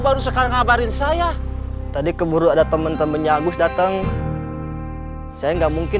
baru sekarang ngabarin saya tadi keburu ada temen temennya agus dateng saya nggak mungkin